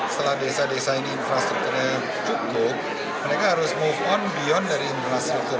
setelah desa desa ini infrastrukturnya cukup mereka harus move on beyond dari infrastruktur